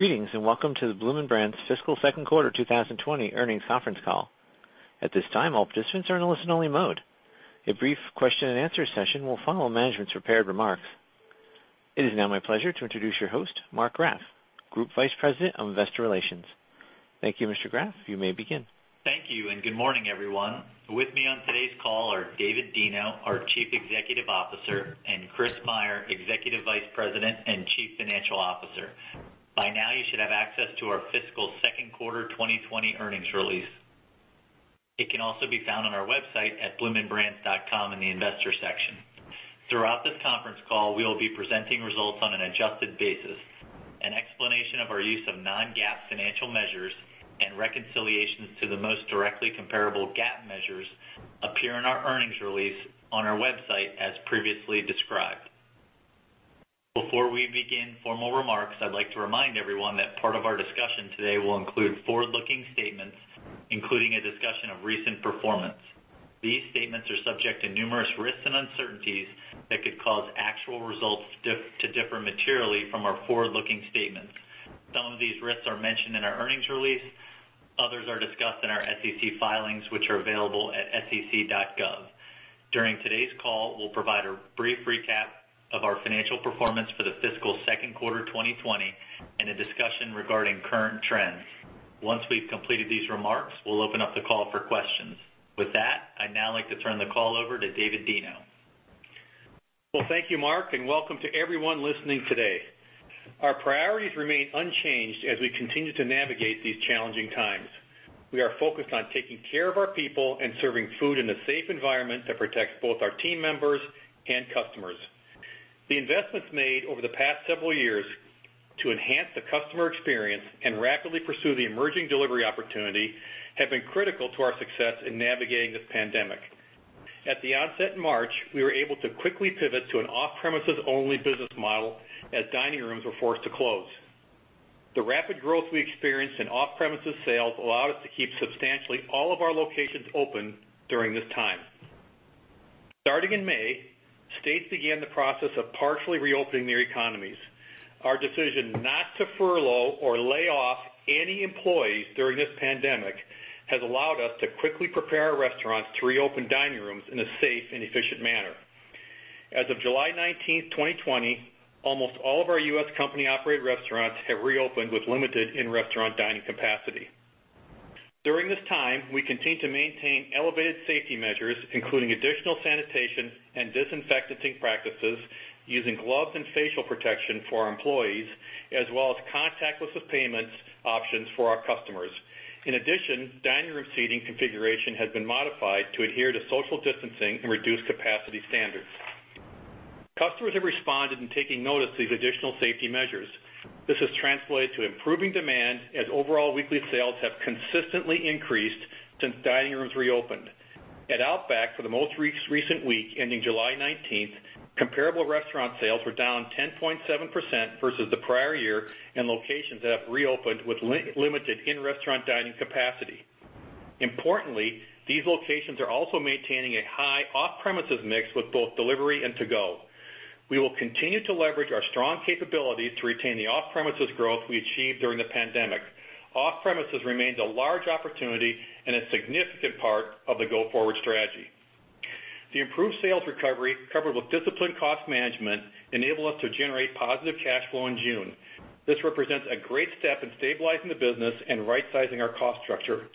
Greetings, and welcome to the Bloomin' Brands fiscal second quarter 2020 earnings conference call. At this time, all participants are in a listen-only mode. A brief question and answer session will follow management's prepared remarks. It is now my pleasure to introduce your host, Mark Graff, Group Vice President of Investor Relations. Thank you, Mr. Graff. You may begin. Thank you, and good morning, everyone. With me on today's call are David Deno, our Chief Executive Officer, and Chris Meyer, Executive Vice President and Chief Financial Officer. By now, you should have access to our fiscal second quarter 2020 earnings release. It can also be found on our website at bloominbrands.com in the investor section. Throughout this conference call, we will be presenting results on an adjusted basis. An explanation of our use of non-GAAP financial measures and reconciliations to the most directly comparable GAAP measures appear in our earnings release on our website, as previously described. Before we begin formal remarks, I'd like to remind everyone that part of our discussion today will include forward-looking statements, including a discussion of recent performance. These statements are subject to numerous risks and uncertainties that could cause actual results to differ materially from our forward-looking statements. Some of these risks are mentioned in our earnings release. Others are discussed in our SEC filings, which are available at sec.gov. During today's call, we'll provide a brief recap of our financial performance for the fiscal second quarter 2020 and a discussion regarding current trends. Once we've completed these remarks, we'll open up the call for questions. With that, I'd now like to turn the call over to David Deno. Well, thank you, Mark, and welcome to everyone listening today. Our priorities remain unchanged as we continue to navigate these challenging times. We are focused on taking care of our people and serving food in a safe environment that protects both our team members and customers. The investments made over the past several years to enhance the customer experience and rapidly pursue the emerging delivery opportunity have been critical to our success in navigating this pandemic. At the onset in March, we were able to quickly pivot to an off-premises only business model as dining rooms were forced to close. The rapid growth we experienced in off-premises sales allowed us to keep substantially all of our locations open during this time. Starting in May, states began the process of partially reopening their economies. Our decision not to furlough or lay off any employees during this pandemic has allowed us to quickly prepare our restaurants to reopen dining rooms in a safe and efficient manner. As of July 19th, 2020, almost all of our U.S. company-operated restaurants have reopened with limited in-restaurant dining capacity. During this time, we continue to maintain elevated safety measures, including additional sanitation and disinfecting practices, using gloves and facial protection for our employees, as well as contactless payments options for our customers. In addition, dining room seating configuration has been modified to adhere to social distancing and reduce capacity standards. Customers have responded in taking notice of these additional safety measures. This has translated to improving demand as overall weekly sales have consistently increased since dining rooms reopened. At Outback, for the most recent week, ending July 19th, comparable restaurant sales were down 10.7% versus the prior year in locations that have reopened with limited in-restaurant dining capacity. Importantly, these locations are also maintaining a high off-premises mix with both delivery and to-go. We will continue to leverage our strong capabilities to retain the off-premises growth we achieved during the pandemic. Off-premises remains a large opportunity and a significant part of the go-forward strategy. The improved sales recovery, coupled with disciplined cost management, enable us to generate positive cash flow in June. This represents a great step in stabilizing the business and right-sizing our cost structure.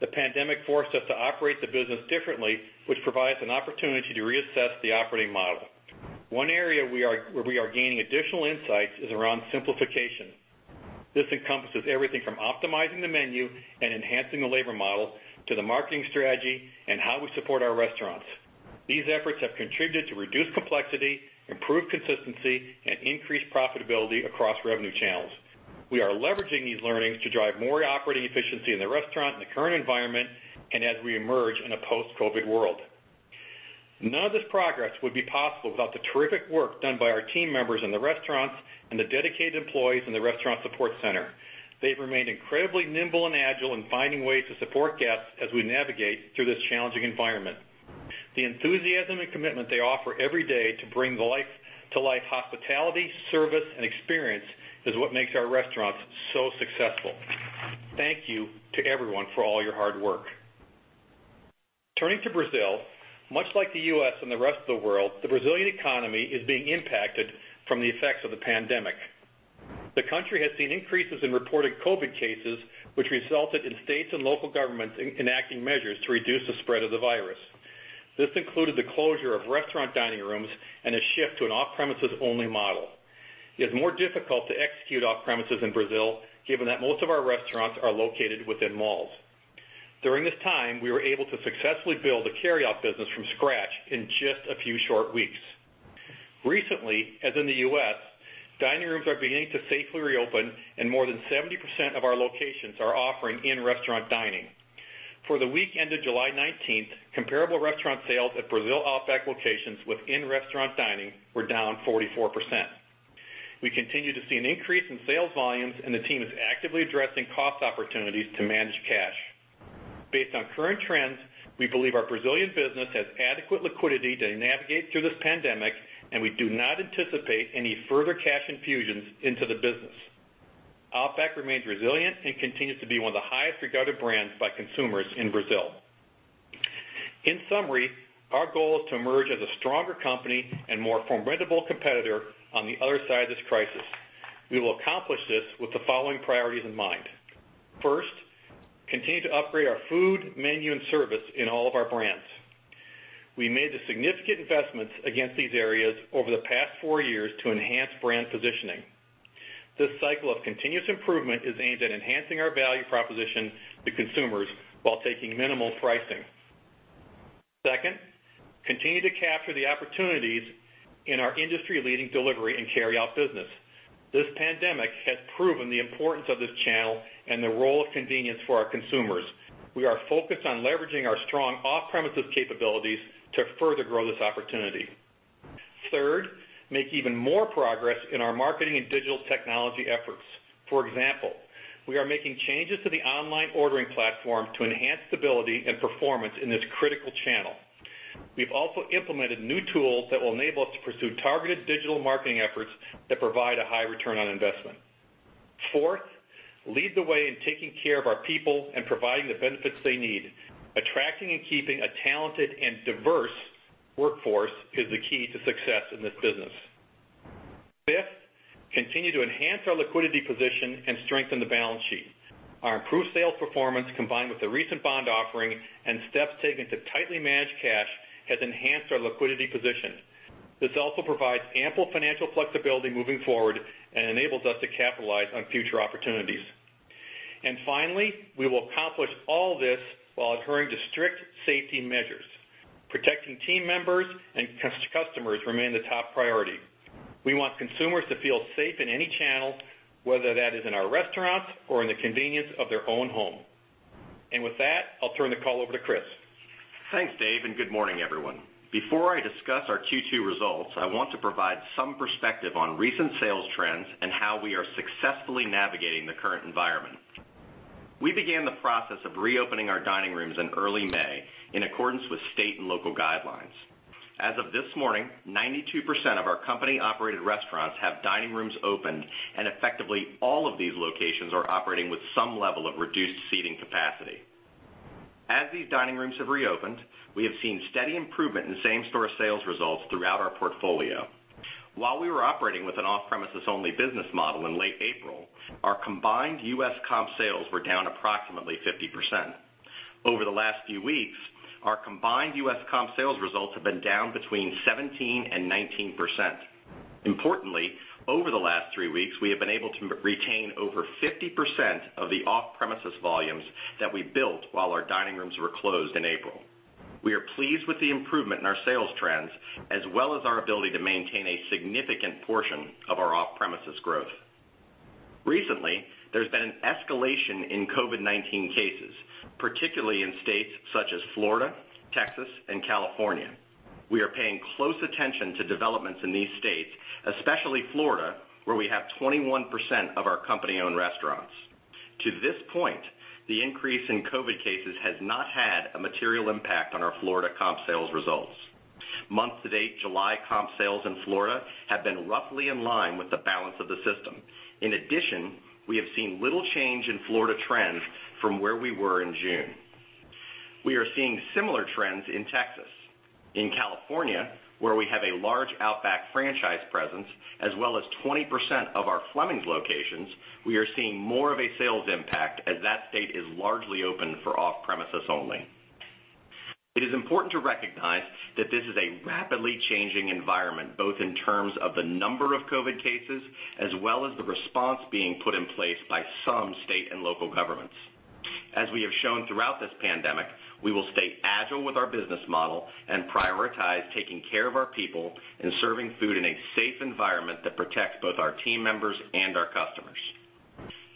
The pandemic forced us to operate the business differently, which provides an opportunity to reassess the operating model. One area where we are gaining additional insights is around simplification. This encompasses everything from optimizing the menu and enhancing the labor model to the marketing strategy and how we support our restaurants. These efforts have contributed to reduced complexity, improved consistency, and increased profitability across revenue channels. We are leveraging these learnings to drive more operating efficiency in the restaurant in the current environment and as we emerge in a post-COVID world. None of this progress would be possible without the terrific work done by our team members in the restaurants and the dedicated employees in the restaurant support center. They've remained incredibly nimble and agile in finding ways to support guests as we navigate through this challenging environment. The enthusiasm and commitment they offer every day to bring to life hospitality, service, and experience is what makes our restaurants so successful. Thank you to everyone for all your hard work. Turning to Brazil, much like the U.S. and the rest of the world, the Brazilian economy is being impacted from the effects of the pandemic. The country has seen increases in reported COVID cases, which resulted in states and local governments enacting measures to reduce the spread of the virus. This included the closure of restaurant dining rooms and a shift to an off-premises only model. It is more difficult to execute off premises in Brazil, given that most of our restaurants are located within malls. During this time, we were able to successfully build a carryout business from scratch in just a few short weeks. Recently, as in the U.S., dining rooms are beginning to safely reopen, and more than 70% of our locations are offering in-restaurant dining. For the week ended July 19th, comparable restaurant sales at Brazil Outback locations with in-restaurant dining were down 44%. We continue to see an increase in sales volumes, and the team is actively addressing cost opportunities to manage cash. Based on current trends, we believe our Brazilian business has adequate liquidity to navigate through this pandemic, and we do not anticipate any further cash infusions into the business. Outback remains resilient and continues to be one of the highest regarded brands by consumers in Brazil. In summary, our goal is to emerge as a stronger company and more formidable competitor on the other side of this crisis. We will accomplish this with the following priorities in mind. First, continue to upgrade our food, menu, and service in all of our brands. We made the significant investments against these areas over the past four years to enhance brand positioning. This cycle of continuous improvement is aimed at enhancing our value proposition to consumers while taking minimal pricing. Second, continue to capture the opportunities in our industry-leading delivery and carry-out business. This pandemic has proven the importance of this channel and the role of convenience for our consumers. We are focused on leveraging our strong off-premises capabilities to further grow this opportunity. Third, make even more progress in our marketing and digital technology efforts. For example, we are making changes to the online ordering platform to enhance stability and performance in this critical channel. We've also implemented new tools that will enable us to pursue targeted digital marketing efforts that provide a high return of investment. Fourth, lead the way in taking care of our people and providing the benefits they need. Attracting and keeping a talented and diverse workforce is the key to success in this business. Fifth, continue to enhance our liquidity position and strengthen the balance sheet. Our improved sales performance, combined with the recent bond offering and steps taken to tightly manage cash, has enhanced our liquidity position. This also provides ample financial flexibility moving forward and enables us to capitalize on future opportunities. Finally, we will accomplish all this while adhering to strict safety measures. Protecting team members and customers remain the top priority. We want consumers to feel safe in any channel, whether that is in our restaurants or in the convenience of their own home. With that, I'll turn the call over to Chris. Thanks, David, and good morning, everyone. Before I discuss our Q2 results, I want to provide some perspective on recent sales trends and how we are successfully navigating the current environment. We began the process of reopening our dining rooms in early May, in accordance with state and local guidelines. As of this morning, 92% of our company-operated restaurants have dining rooms open, and effectively, all of these locations are operating with some level of reduced seating capacity. As these dining rooms have reopened, we have seen steady improvement in same-store sales results throughout our portfolio. While we were operating with an off-premises only business model in late April, our combined U.S. comp sales were down approximately 50%. Over the last few weeks, our combined U.S. comp sales results have been down between 17% and 19%. Importantly, over the last three weeks, we have been able to retain over 50% of the off-premises volumes that we built while our dining rooms were closed in April. We are pleased with the improvement in our sales trends, as well as our ability to maintain a significant portion of our off-premises growth. Recently, there's been an escalation in COVID-19 cases, particularly in states such as Florida, Texas, and California. We are paying close attention to developments in these states, especially Florida, where we have 21% of our company-owned restaurants. To this point, the increase in COVID cases has not had a material impact on our Florida comp sales results. Month to date, July comp sales in Florida have been roughly in line with the balance of the system. We have seen little change in Florida trends from where we were in June. We are seeing similar trends in Texas. In California, where we have a large Outback franchise presence, as well as 20% of our Fleming's locations, we are seeing more of a sales impact as that state is largely open for off-premises only. It is important to recognize that this is a rapidly changing environment, both in terms of the number of COVID cases as well as the response being put in place by some state and local governments. As we have shown throughout this pandemic, we will stay agile with our business model and prioritize taking care of our people and serving food in a safe environment that protects both our team members and our customers.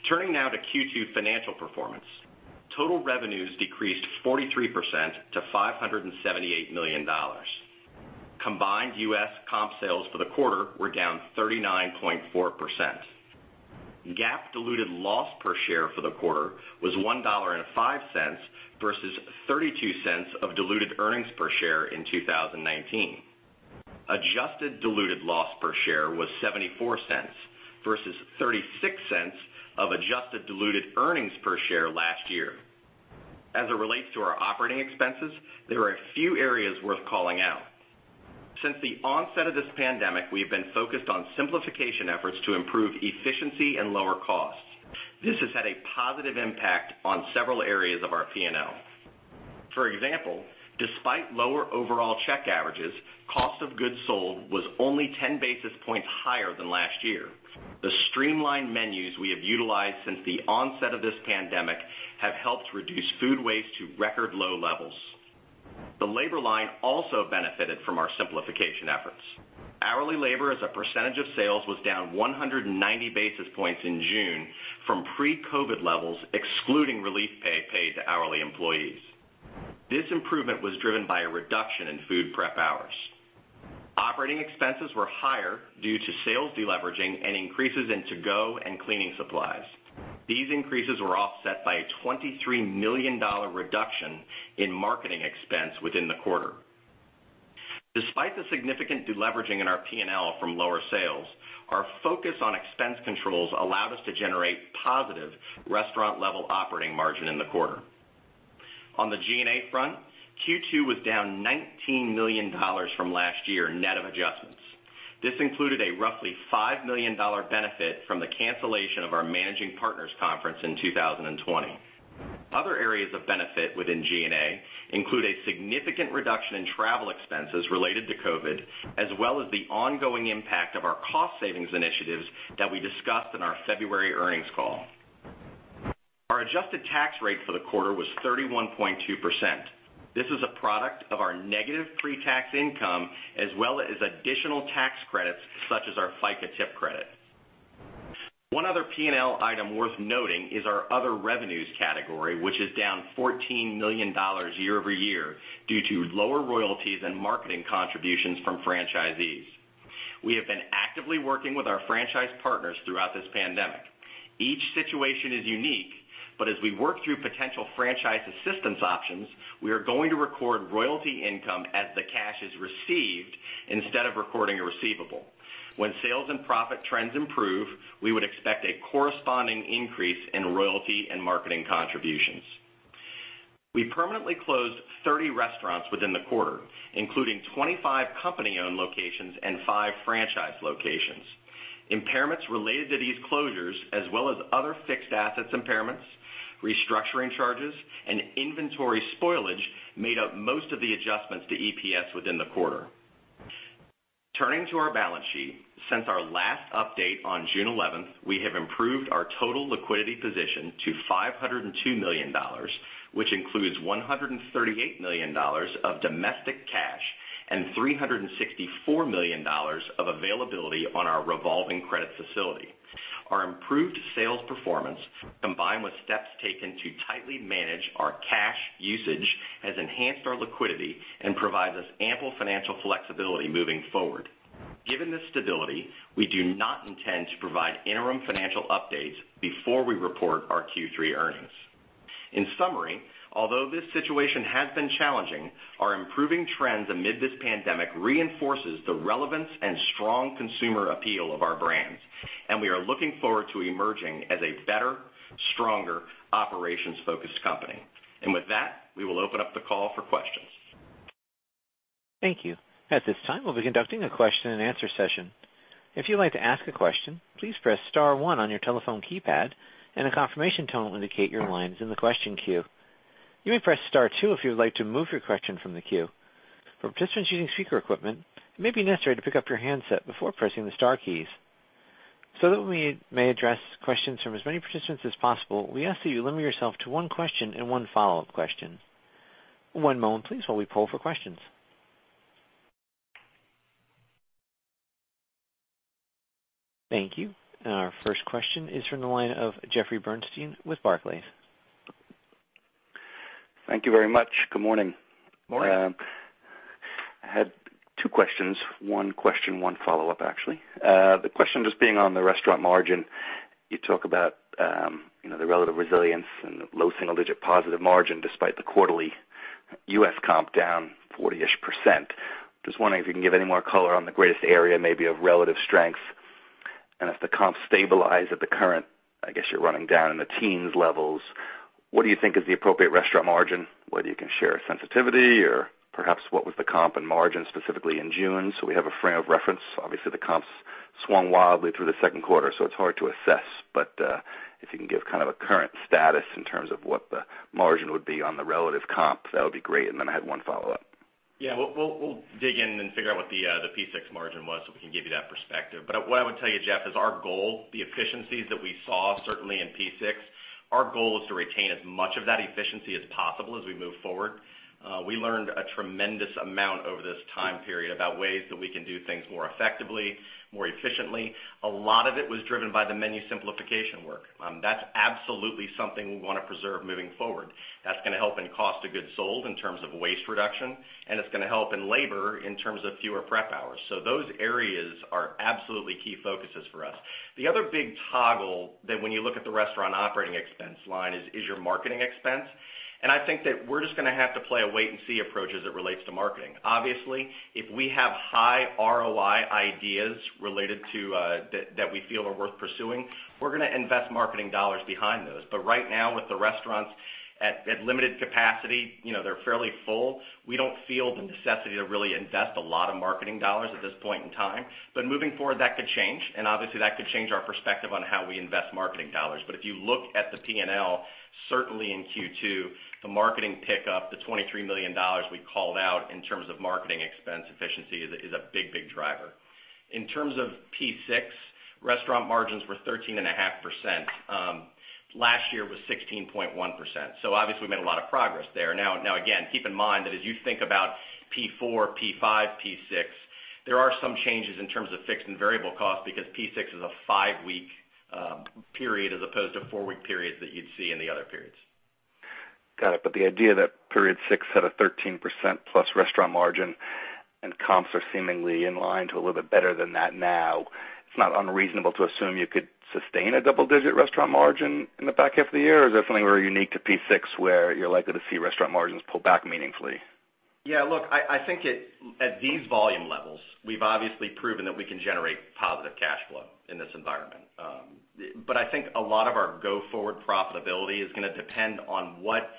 Turning now to Q2 financial performance. Total revenues decreased 43% to $578 million. Combined U.S. comp sales for the quarter were down 39.4%. GAAP diluted loss per share for the quarter was $1.05 versus $0.32 of diluted earnings per share in 2019. Adjusted diluted loss per share was $0.74 versus $0.36 of adjusted diluted earnings per share last year. As it relates to our operating expenses, there are a few areas worth calling out. Since the onset of this pandemic, we have been focused on simplification efforts to improve efficiency and lower costs. This has had a positive impact on several areas of our P&L. For example, despite lower overall check averages, cost of goods sold was only 10 basis points higher than last year. The streamlined menus we have utilized since the onset of this pandemic have helped reduce food waste to record low levels. The labor line also benefited from our simplification efforts. Hourly labor as a percentage of sales was down 190 basis points in June from pre-COVID levels, excluding relief pay paid to hourly employees. This improvement was driven by a reduction in food prep hours. Operating expenses were higher due to sales deleveraging and increases in to-go and cleaning supplies. These increases were offset by a $23 million reduction in marketing expense within the quarter. Despite the significant deleveraging in our P&L from lower sales, our focus on expense controls allowed us to generate positive restaurant-level operating margin in the quarter. On the G&A front, Q2 was down $19 million from last year, net of adjustments. This included a roughly $5 million benefit from the cancellation of our managing partners conference in 2020. Other areas of benefit within G&A include a significant reduction in travel expenses related to COVID, as well as the ongoing impact of our cost savings initiatives that we discussed in our February earnings call. Our adjusted tax rate for the quarter was 31.2%. This is a product of our negative pre-tax income, as well as additional tax credits such as our FICA tip credit. One other P&L item worth noting is our other revenues category, which is down $14 million year-over-year due to lower royalties and marketing contributions from franchisees. We have been actively working with our franchise partners throughout this pandemic. Each situation is unique, but as we work through potential franchise assistance options, we are going to record royalty income as the cash is received instead of recording a receivable. When sales and profit trends improve, we would expect a corresponding increase in royalty and marketing contributions. We permanently closed 30 restaurants within the quarter, including 25 company-owned locations and five franchise locations. Impairments related to these closures, as well as other fixed assets impairments, restructuring charges, and inventory spoilage made up most of the adjustments to EPS within the quarter. Turning to our balance sheet, since our last update on June 11th, we have improved our total liquidity position to $502 million, which includes $138 million of domestic cash and $364 million of availability on our revolving credit facility. Our improved sales performance, combined with steps taken to tightly manage our cash usage, has enhanced our liquidity and provides us ample financial flexibility moving forward. Given this stability, we do not intend to provide interim financial updates before we report our Q3 earnings. In summary, although this situation has been challenging, our improving trends amid this pandemic reinforces the relevance and strong consumer appeal of our brands. We are looking forward to emerging as a better, stronger, operations-focused company. With that, we will open up the call for questions. Thank you. At this time, we'll be conducting a question and answer session. If you'd like to ask a question, please press star one on your telephone keypad, and a confirmation tone will indicate your line is in the question queue. You may press star two if you would like to move your question from the queue. For participants using speaker equipment, it may be necessary to pick up your handset before pressing the star keys. That we may address questions from as many participants as possible, we ask that you limit yourself to one question and one follow-up question. One moment please, while we poll for questions. Thank you. Our first question is from the line of Jeffrey Bernstein with Barclays. Thank you very much. Good morning. Morning. I had two questions. One question, one follow-up, actually. The question just being on the restaurant margin. You talk about the relative resilience and the low single-digit positive margin despite the quarterly U.S. comp down 40%-ish. Just wondering if you can give any more color on the greatest area maybe of relative strength, and if the comps stabilize at the current, I guess you're running down in the teens levels. What do you think is the appropriate restaurant margin? Whether you can share a sensitivity or perhaps what was the comp and margin specifically in June, so we have a frame of reference. Obviously, the comps swung wildly through the second quarter, so it's hard to assess. If you can give a current status in terms of what the margin would be on the relative comp, that would be great. I had one follow-up. Yeah. We'll dig in and figure out what the P6 margin was so we can give you that perspective. What I would tell you, Jeff, is our goal, the efficiencies that we saw, certainly in P6, our goal is to retain as much of that efficiency as possible as we move forward. We learned a tremendous amount over this time period about ways that we can do things more effectively, more efficiently. A lot of it was driven by the menu simplification work. That's absolutely something we want to preserve moving forward. That's going to help in cost of goods sold in terms of waste reduction, and it's going to help in labor in terms of fewer prep hours. Those areas are absolutely key focuses for us. The other big toggle that when you look at the restaurant operating expense line is your marketing expense. I think that we're just going to have to play a wait and see approach as it relates to marketing. Obviously, if we have high ROI ideas that we feel are worth pursuing, we're going to invest marketing dollars behind those. Right now, with the restaurants at limited capacity, they're fairly full. We don't feel the necessity to really invest a lot of marketing dollars at this point in time. Moving forward, that could change, and obviously that could change our perspective on how we invest marketing dollars. If you look at the P&L, certainly in Q2, the marketing pick up, the $23 million we called out in terms of marketing expense efficiency is a big, big driver. In terms of P6, restaurant margins were 13.5%. Last year was 16.1%. Obviously, we made a lot of progress there. Now, again, keep in mind that as you think about P4, P5, P6, there are some changes in terms of fixed and variable cost because P6 is a five-week period as opposed to four-week periods that you'd see in the other periods. Got it. The idea that period six had a 13%+ restaurant margin and comps are seemingly in line to a little bit better than that now, it's not unreasonable to assume you could sustain a double-digit restaurant margin in the back half of the year. Is that something very unique to P6 where you're likely to see restaurant margins pull back meaningfully? Yeah, look, I think at these volume levels, we've obviously proven that we can generate positive cash flow in this environment. I think a lot of our go-forward profitability is going to depend on what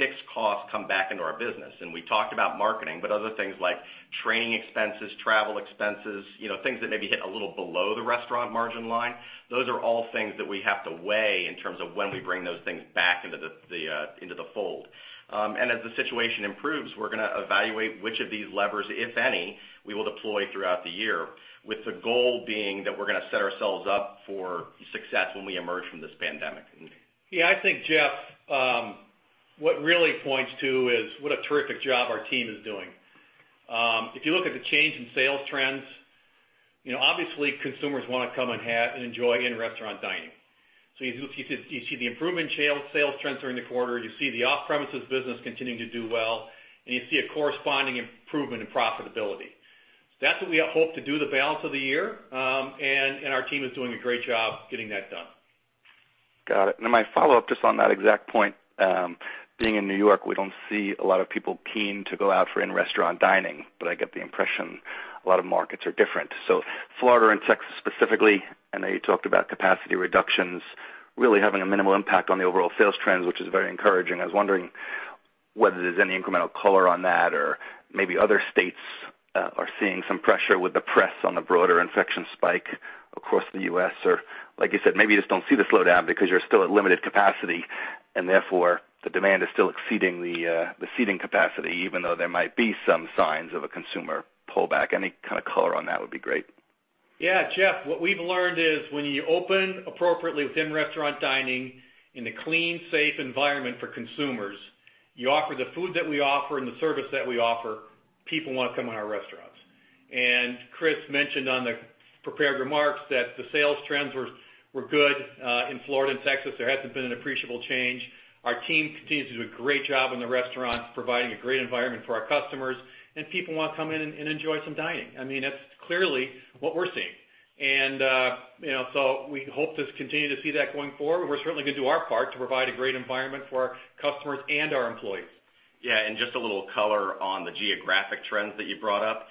fixed costs come back into our business. We talked about marketing, but other things like training expenses, travel expenses, things that maybe hit a little below the restaurant margin line. Those are all things that we have to weigh in terms of when we bring those things back into the fold. As the situation improves, we're going to evaluate which of these levers, if any, we will deploy throughout the year, with the goal being that we're going to set ourselves up for success when we emerge from this pandemic. Yeah, I think, Jeff, what really points to is what a terrific job our team is doing. If you look at the change in sales trends, obviously consumers want to come and enjoy in-restaurant dining. You see the improvement in sales trends during the quarter. You see the off-premises business continuing to do well, and you see a corresponding improvement in profitability. That's what we hope to do the balance of the year, and our team is doing a great job getting that done. Got it. My follow-up just on that exact point, being in New York, we don't see a lot of people keen to go out for in-restaurant dining, but I get the impression a lot of markets are different. Florida and Texas specifically, I know you talked about capacity reductions really having a minimal impact on the overall sales trends, which is very encouraging. I was wondering whether there's any incremental color on that or maybe other states are seeing some pressure with the press on the broader infection spike across the U.S. Like you said, maybe you just don't see the slowdown because you're still at limited capacity and therefore the demand is still exceeding the seating capacity, even though there might be some signs of a consumer pullback. Any kind of color on that would be great. Yeah, Jeff, what we've learned is when you open appropriately with in-restaurant dining in a clean, safe environment for consumers, you offer the food that we offer and the service that we offer, people want to come in our restaurants. Chris mentioned on the prepared remarks that the sales trends were good in Florida and Texas. There hasn't been an appreciable change. Our team continues to do a great job in the restaurants, providing a great environment for our customers, and people want to come in and enjoy some dining. That's clearly what we're seeing. We hope to continue to see that going forward. We're certainly going to do our part to provide a great environment for our customers and our employees. Yeah. Just a little color on the geographic trends that you brought up.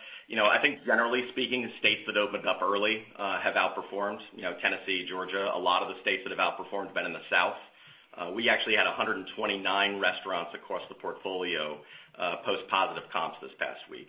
I think generally speaking, the states that opened up early have outperformed. Tennessee, Georgia, a lot of the states that have outperformed have been in the South. We actually had 129 restaurants across the portfolio post positive comps this past week.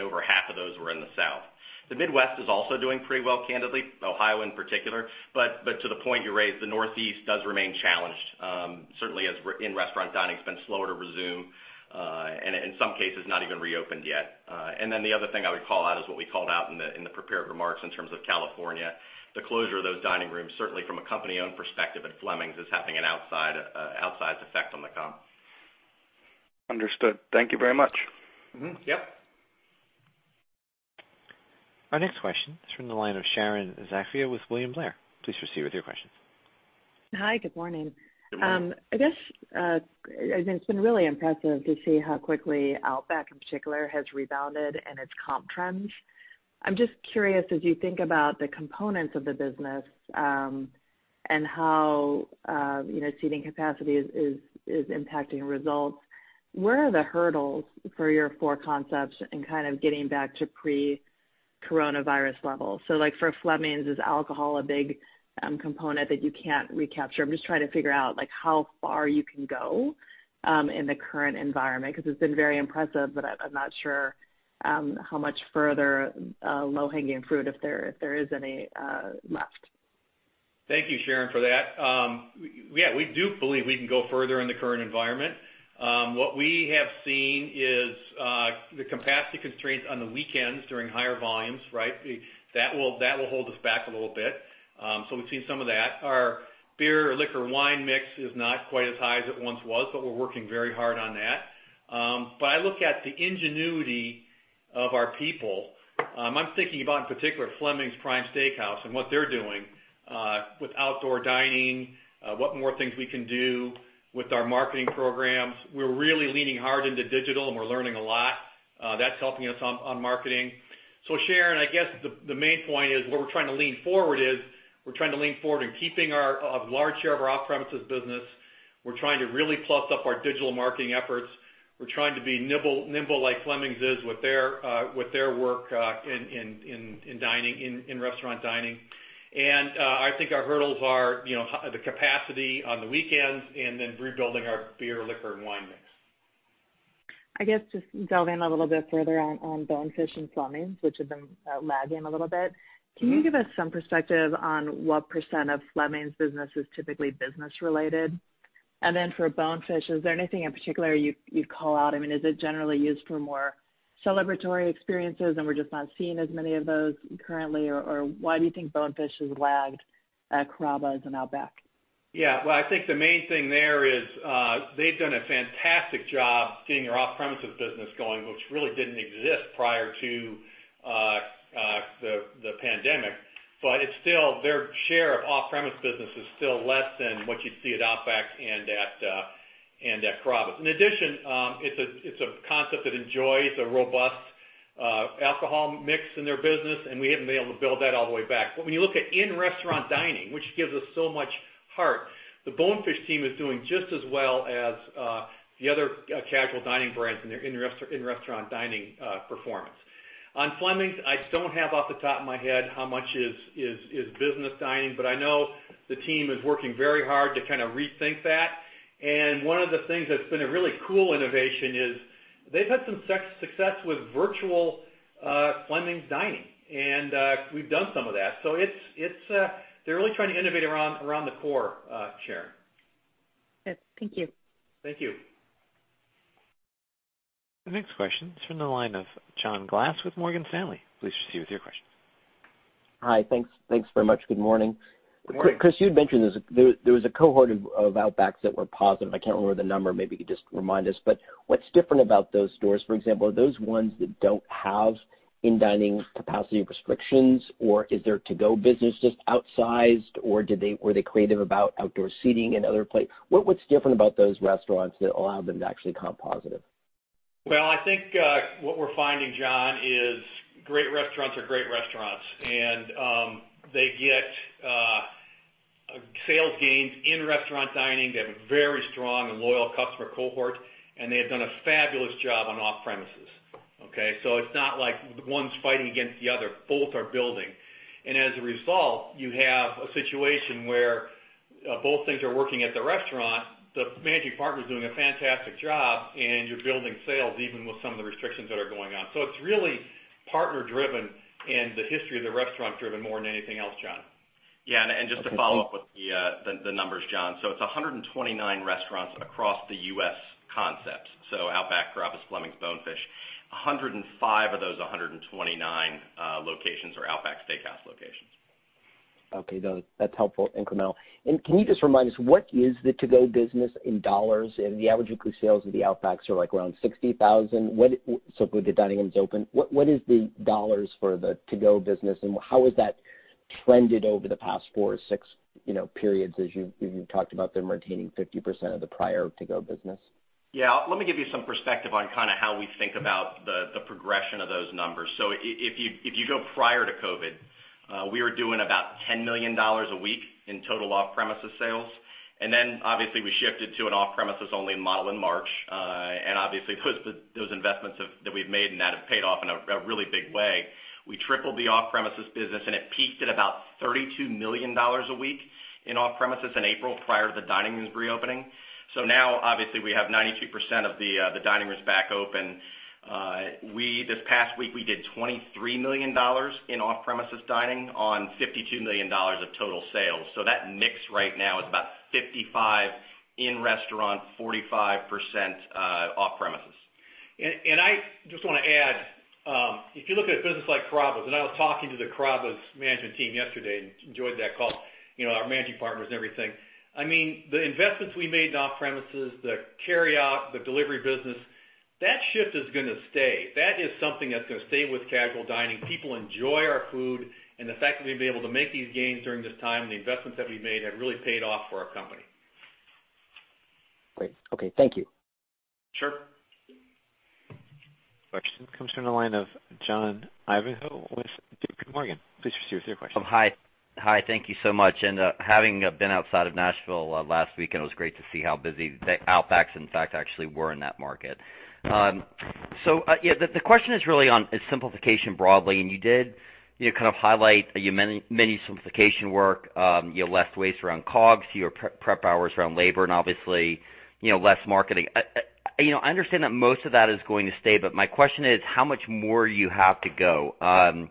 Over half of those were in the South. The Midwest is also doing pretty well, candidly, Ohio in particular. To the point you raised, the Northeast does remain challenged. Certainly as in-restaurant dining's been slower to resume, and in some cases, not even reopened yet. The other thing I would call out is what we called out in the prepared remarks in terms of California. The closure of those dining rooms, certainly from a company-owned perspective at Fleming's, is having an outsized effect on the comp. Understood. Thank you very much. Yep. Our next question is from the line of Sharon Zackfia with William Blair. Please proceed with your questions. Hi. Good morning. Good morning. I guess it's been really impressive to see how quickly Outback in particular has rebounded in its comp trends. I'm just curious, as you think about the components of the business, and how seating capacity is impacting results, where are the hurdles for your four concepts in kind of getting back to pre-coronavirus levels? Like for Fleming's, is alcohol a big component that you can't recapture? I'm just trying to figure out how far you can go in the current environment, because it's been very impressive, but I'm not sure how much further low-hanging fruit, if there is any, left. Thank you, Sharon, for that. Yeah, we do believe we can go further in the current environment. What we have seen is the capacity constraints on the weekends during higher volumes, right? That will hold us back a little bit. We've seen some of that. Our beer, liquor, wine mix is not quite as high as it once was, but we're working very hard on that. I look at the ingenuity of our people. I'm thinking about, in particular, Fleming's Prime Steakhouse and what they're doing with outdoor dining, what more things we can do with our marketing programs. We're really leaning hard into digital, and we're learning a lot. That's helping us on marketing. Sharon, I guess the main point is where we're trying to lean forward is, we're trying to lean forward in keeping a large share of our off-premises business. We're trying to really plus up our digital marketing efforts. We're trying to be nimble like Fleming's is with their work in restaurant dining. I think our hurdles are the capacity on the weekends and then rebuilding our beer, liquor, and wine mix. I guess just delve in a little bit further on Bonefish and Fleming, which have been lagging a little bit. Can you give us some perspective on what percent of Fleming business is typically business related? For Bonefish, is there anything in particular you'd call out? Is it generally used for more celebratory experiences and we're just not seeing as many of those currently, why do you think Bonefish has lagged Carrabba's and Outback? Yeah. Well, I think the main thing there is, they've done a fantastic job getting their off-premises business going, which really didn't exist prior to the pandemic, their share of off-premise business is still less than what you'd see at Outback and at Carrabba's. In addition, it's a concept that enjoys a robust alcohol mix in their business, and we haven't been able to build that all the way back. When you look at in-restaurant dining, which gives us so much heart, the Bonefish team is doing just as well as the other casual dining brands in their in-restaurant dining performance. On Fleming's, I don't have off the top of my head how much is business dining, but I know the team is working very hard to rethink that. One of the things that's been a really cool innovation is they've had some success with virtual Fleming dining, and we've done some of that. They're really trying to innovate around the core, Sharon. Good. Thank you. Thank you. The next question is from the line of John Glass with Morgan Stanley. Please proceed with your question. Hi, thanks very much. Good morning. Good morning. Chris, you had mentioned there was a cohort of Outbacks that were positive. I can't remember the number. Maybe you could just remind us, but what's different about those stores? For example, are those ones that don't have in-dining capacity restrictions, or is their to-go business just outsized, or were they creative about outdoor seating and other places? What's different about those restaurants that allow them to actually come positive? Well, I think, what we're finding, John, is great restaurants are great restaurants. They get sales gains in restaurant dining. They have a very strong and loyal customer cohort, and they have done a fabulous job on off-premises. Okay? It's not like one's fighting against the other. Both are building. As a result, you have a situation where both things are working at the restaurant. The managing partner's doing a fantastic job, and you're building sales even with some of the restrictions that are going on. It's really partner driven and the history of the restaurant driven more than anything else, John. Yeah, just to follow up with the numbers, John. It's 129 restaurants across the U.S. concept, so Outback, Carrabba's, Fleming's, Bonefish. 105 of those 129 locations are Outback Steakhouse locations. Okay. That's helpful. and Meyer, can you just remind us what is the to-go business in dollars? The average weekly sales of the Outbacks are around 60,000. Good that dining room's open. What is the dollars for the to-go business, and how has that trended over the past four or six periods as you've talked about them retaining 50% of the prior to-go business? Yeah. Let me give you some perspective on how we think about the progression of those numbers. If you go prior to COVID, we were doing about $10 million a week in total off-premises sales, then obviously we shifted to an off-premises-only model in March. Obviously those investments that we've made in that have paid off in a really big way. We tripled the off-premises business, it peaked at about $32 million a week in off-premises in April prior to the dining rooms reopening. Now obviously we have 92% of the dining rooms back open. This past week, we did $23 million in off-premises dining on $52 million of total sales. That mix right now is about 55 in-restaurant, 45% off-premises. I just want to add, if you look at a business like Carrabba, and I was talking to the Carrabba's management team yesterday and enjoyed that call, our managing partners and everything. The investments we made in off-premises, the carryout, the delivery business, that shift is going to stay. That is something that's going to stay with casual dining. People enjoy our food, and the fact that we've been able to make these gains during this time and the investments that we've made have really paid off for our company. Great. Okay. Thank you. Sure. Question comes from the line of John Ivankoe with JPMorgan. Please proceed with your question. Hi. Thank you so much. Having been outside of Nashville last weekend, it was great to see how busy the Outbacks, in fact, actually were in that market. Yeah, the question is really on simplification broadly, and you did highlight your menu simplification work, your less waste around COGS, your prep hours around labor, and obviously less marketing. I understand that most of that is going to stay, but my question is how much more you have to go.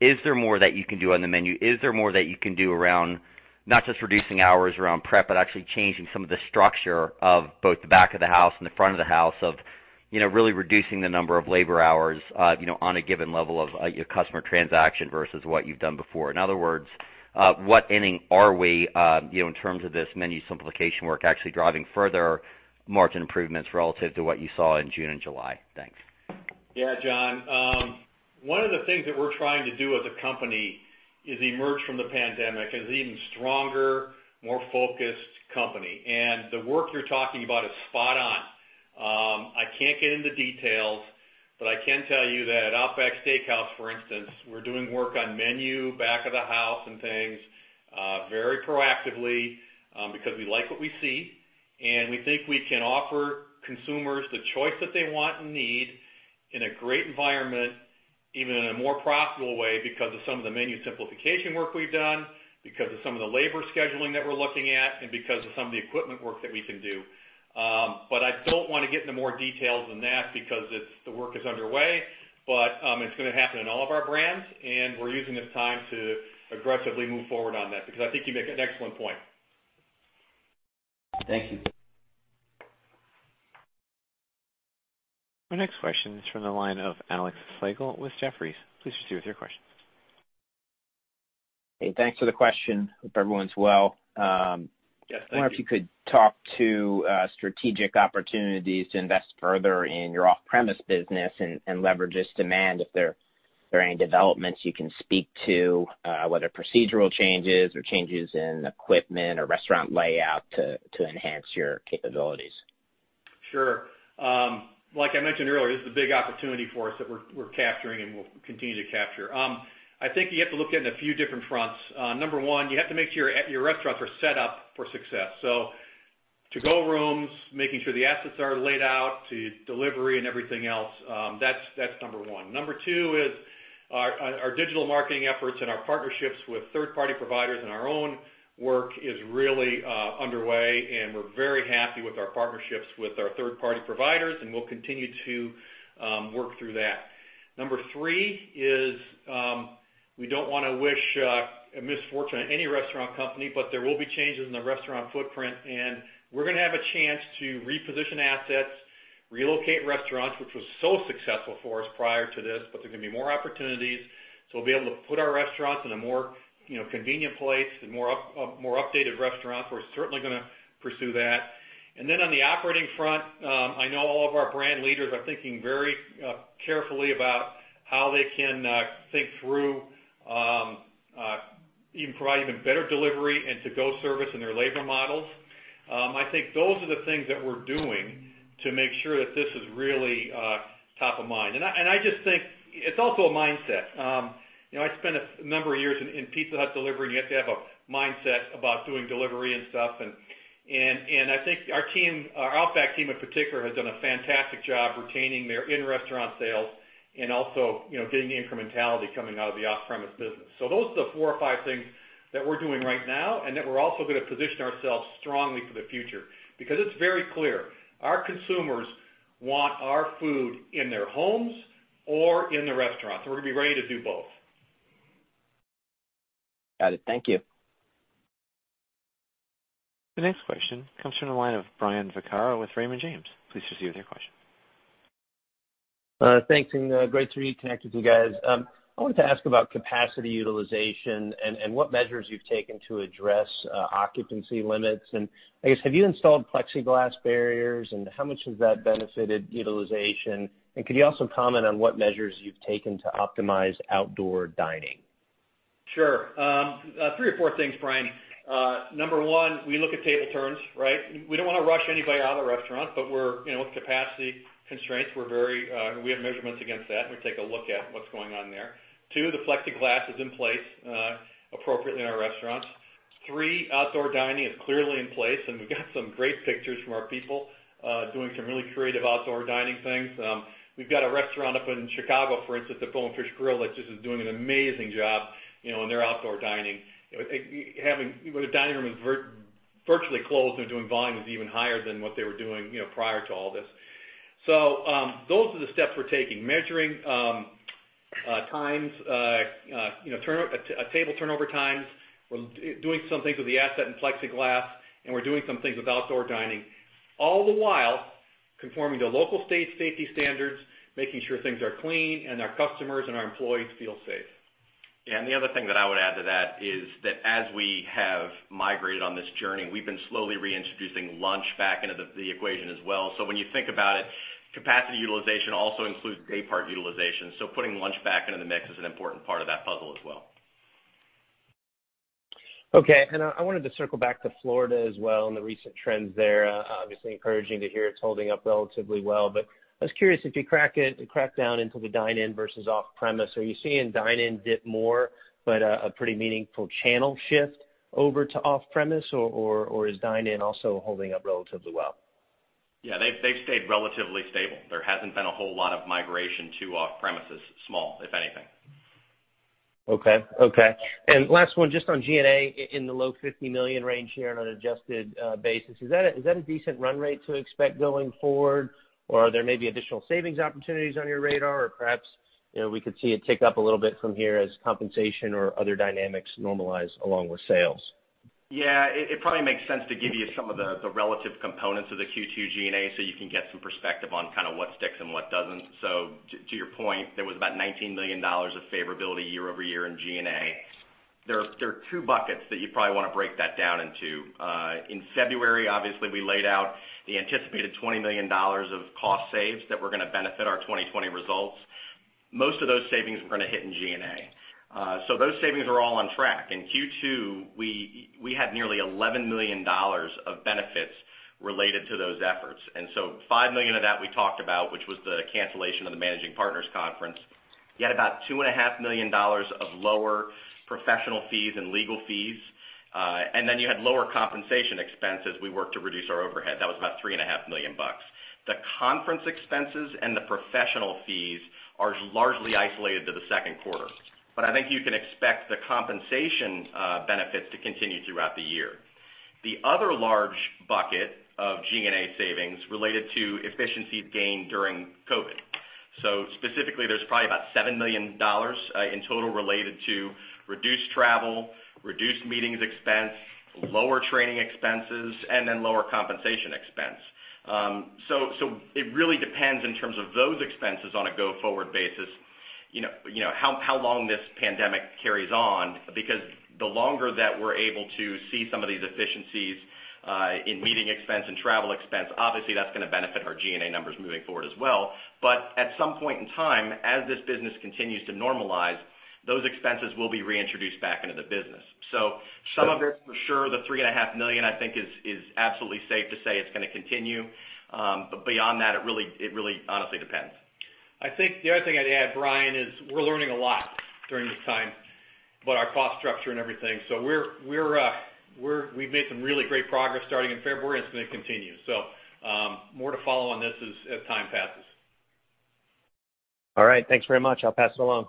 Is there more that you can do on the menu? Is there more that you can do around not just reducing hours around prep, but actually changing some of the structure of both the back of the house and the front of the house of really reducing the number of labor hours on a given level of your customer transaction versus what you've done before? In other words, what inning are we in terms of this menu simplification work actually driving further margin improvements relative to what you saw in June and July? Thanks. Yeah, John. One of the things that we're trying to do as a company is emerge from the pandemic as an even stronger, more focused company, and the work you're talking about is spot on. I can't get into details, but I can tell you that at Outback Steakhouse, for instance, we're doing work on menu, back of the house, and things very proactively because we like what we see, and we think we can offer consumers the choice that they want and need in a great environment, even in a more profitable way because of some of the menu simplification work we've done, because of some of the labor scheduling that we're looking at, and because of some of the equipment work that we can do. I don't want to get into more details than that because the work is underway. It's going to happen in all of our brands, and we're using this time to aggressively move forward on that because I think you make an excellent point. Thank you. Our next question is from the line of Alexander Slagle with Jefferies. Please proceed with your question. Hey, thanks for the question. Hope everyone's well. Yes, thank you. I wonder if you could talk to strategic opportunities to invest further in your off-premise business and leverage this demand, if there are any developments you can speak to, whether procedural changes or changes in equipment or restaurant layout to enhance your capabilities. Sure. Like I mentioned earlier, this is a big opportunity for us that we're capturing and we'll continue to capture. I think you have to look at it in a few different fronts. Number one, you have to make sure your restaurants are set up for success. To-go rooms, making sure the assets are laid out to delivery and everything else. That's number one. Number two is our digital marketing efforts and our partnerships with third-party providers and our own work is really underway, and we're very happy with our partnerships with our third-party providers, and we'll continue to work through that. Number three is, we don't want to wish a misfortune on any restaurant company, but there will be changes in the restaurant footprint, and we're going to have a chance to reposition assets, relocate restaurants, which was so successful for us prior to this, but there are going to be more opportunities. We'll be able to put our restaurants in a more convenient place, more updated restaurants. We're certainly going to pursue that. On the operating front, I know all of our brand leaders are thinking very carefully about how they can think through, even provide even better delivery and to-go service in their labor models. I think those are the things that we're doing to make sure that this is really top of mind. I just think it's also a mindset. I spent a number of years in Pizza Hut delivery, and you have to have a mindset about doing delivery and stuff. I think our Outback team in particular has done a fantastic job retaining their in-restaurant sales and also getting the incrementality coming out of the off-premise business. Those are the four or five things that we're doing right now and that we're also going to position ourselves strongly for the future because it's very clear, our consumers want our food in their homes or in the restaurant, so we're going to be ready to do both. Got it. Thank you. The next question comes from the line of Brian Vaccaro with Raymond James. Please proceed with your question. Thanks, great to be connected with you guys. I wanted to ask about capacity utilization and what measures you've taken to address occupancy limits. I guess, have you installed plexiglass barriers, how much has that benefited utilization? Could you also comment on what measures you've taken to optimize outdoor dining? Sure. Three or four things, Brian. Number one, we look at table turns, right? We don't want to rush anybody out of the restaurant, but with capacity constraints, we have measurements against that, and we take a look at what's going on there. Two, the plexiglass is in place appropriately in our restaurants. Three, outdoor dining is clearly in place, and we've got some great pictures from our people doing some really creative outdoor dining things. We've got a restaurant up in Chicago, for instance, at the Bonefish Grill, that just is doing an amazing job in their outdoor dining. With a dining room that's virtually closed, they're doing volumes even higher than what they were doing prior to all this. Those are the steps we're taking, measuring times, table turnover times. We're doing some things with the asset and plexiglass, and we're doing some things with outdoor dining, all the while conforming to local state safety standards, making sure things are clean and our customers and our employees feel safe. The other thing that I would add to that is that as we have migrated on this journey, we've been slowly reintroducing lunch back into the equation as well. When you think about it, capacity utilization also includes day part utilization. Putting lunch back into the mix is an important part of that puzzle as well. Okay. I wanted to circle back to Florida as well and the recent trends there. Obviously encouraging to hear it's holding up relatively well, I was curious if you crack down into the dine-in versus off-premise. Are you seeing dine-in dip more but a pretty meaningful channel shift over to off-premise, or is dine-in also holding up relatively well? Yeah. They've stayed relatively stable. There hasn't been a whole lot of migration to off premises. Small, if anything. Okay. Last one, just on G&A in the low $50 million range here on an adjusted basis. Is that a decent run rate to expect going forward? Are there maybe additional savings opportunities on your radar? Perhaps, we could see it tick up a little bit from here as compensation or other dynamics normalize along with sales. It probably makes sense to give you some of the relative components of the Q2 G&A so you can get some perspective on what sticks and what doesn't. To your point, there was about $19 million of favorability year-over-year in G&A. There are two buckets that you probably want to break that down into. In February, obviously, we laid out the anticipated $20 million of cost saves that were going to benefit our 2020 results. Most of those savings were going to hit in G&A. Those savings were all on track. In Q2, we had nearly $11 million of benefits related to those efforts. $5 million of that we talked about, which was the cancellation of the Managing Partners Conference. You had about $2.5 million of lower professional fees and legal fees. You had lower compensation expenses. We worked to reduce our overhead. That was about $3.5 million. The conference expenses and the professional fees are largely isolated to the second quarter. I think you can expect the compensation benefits to continue throughout the year. The other large bucket of G&A savings related to efficiency gained during COVID. Specifically, there's probably about $7 million in total related to reduced travel, reduced meetings expense, lower training expenses, and then lower compensation expense. It really depends in terms of those expenses on a go-forward basis how long this pandemic carries on, because the longer that we're able to see some of these efficiencies in meeting expense and travel expense, obviously that's going to benefit our G&A numbers moving forward as well. At some point in time, as this business continues to normalize, those expenses will be reintroduced back into the business. Some of it, for sure, the $3.5 million, I think is absolutely safe to say it's going to continue. Beyond that, it really honestly depends. I think the other thing I'd add, Brian, is we're learning a lot during this time about our cost structure and everything. We've made some really great progress starting in February, and it's going to continue. More to follow on this as time passes. All right. Thanks very much. I'll pass it along.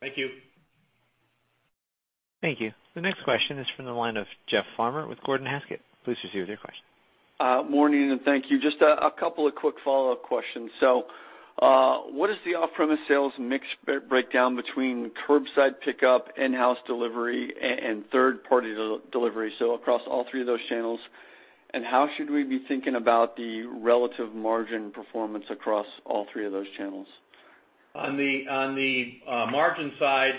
Thank you. Thank you. The next question is from the line of Jeff Farmer with Gordon Haskett. Please proceed with your question. Morning, and thank you. Just a couple of quick follow-up questions. What is the off-premise sales mix breakdown between curbside pickup, in-house delivery, and third-party delivery, across all three of those channels? How should we be thinking about the relative margin performance across all three of those channels? On the margin side,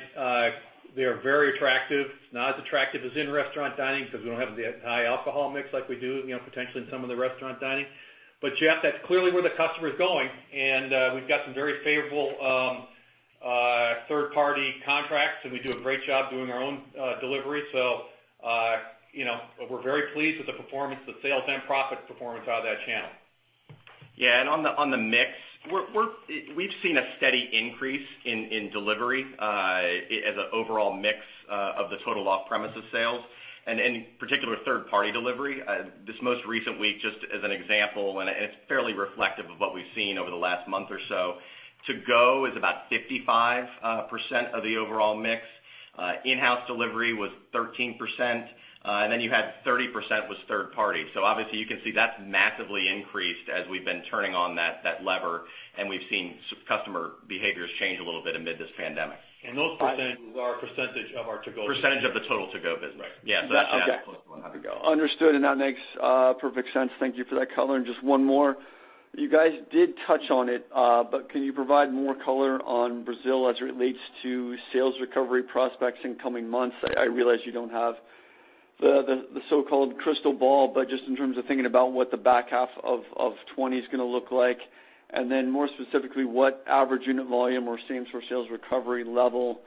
they are very attractive. Not as attractive as in-restaurant dining because we don't have the high alcohol mix like we do potentially in some of the restaurant dining. Jeff, that's clearly where the customer is going, and we've got some very favorable third-party contracts, and we do a great job doing our own delivery. We're very pleased with the performance, the sales and profit performance out of that channel. Yeah. On the mix, we've seen a steady increase in delivery as an overall mix of the total off-premises sales and in particular, third-party delivery. This most recent week, just as an example, and it's fairly reflective of what we've seen over the last month or so. To go is about 55% of the overall mix. In-house delivery was 13%, and then you had 30% was third party. Obviously you can see that's massively increased as we've been turning on that lever, and we've seen customer behaviors change a little bit amid this pandemic. Those percentages are a percentage of our to-go-. Percentage of the total to-go business. Right. Yeah. Understood, that makes perfect sense. Thank you for that color. Just one more. You guys did touch on it, can you provide more color on Brazil as it relates to sales recovery prospects in coming months? I realize you don't have the so-called crystal ball, just in terms of thinking about what the back half of 2020 is going to look like. More specifically, what average unit volume or same-store sales recovery level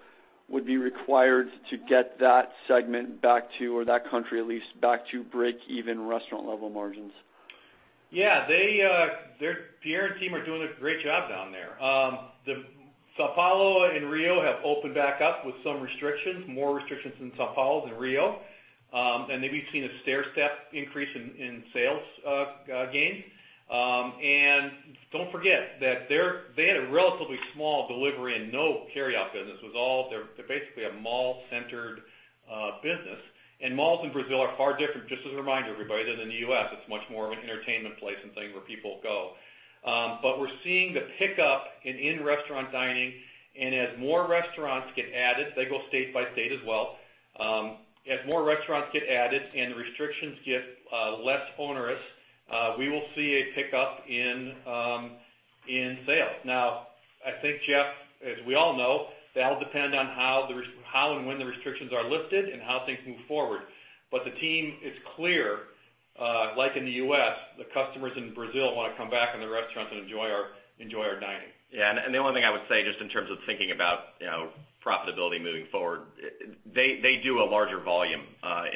would be required to get that segment back to, or that country at least, back to break even restaurant level margins? Yeah. Pierre and team are doing a great job down there. São Paulo and Rio have opened back up with some restrictions, more restrictions in São Paulo than Rio. They've seen a stairstep increase in sales gains. Don't forget that they had a relatively small delivery and no carryout business. They're basically a mall-centered business. Malls in Brazil are far different, just as a reminder to everybody, than in the U.S. It's much more of an entertainment place and thing where people go. We're seeing the pickup in in-restaurant dining. As more restaurants get added, they go state by state as well. As more restaurants get added and restrictions get less onerous, we will see a pickup in sales. Now, I think, Jeff, as we all know, that'll depend on how and when the restrictions are lifted and how things move forward. The team is clear, like in the U.S., the customers in Brazil want to come back in the restaurants and enjoy our dining. Yeah. The only thing I would say just in terms of thinking about profitability moving forward, they do a larger volume